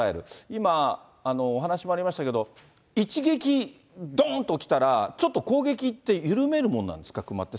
今、お話もありましたけども、一撃、どーんときたら、ちょっと攻撃って緩めるものなんですか、クマって。